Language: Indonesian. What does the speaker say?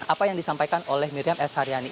apa yang disampaikan oleh miriam s haryani